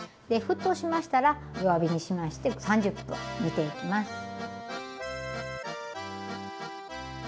で沸騰しましたら弱火にしまして３０分煮ていきます。